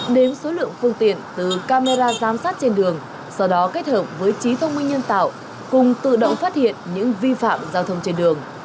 đến số lượng phương tiện từ camera giám sát trên đường sau đó kết hợp với trí thông minh nhân tạo cùng tự động phát hiện những vi phạm giao thông trên đường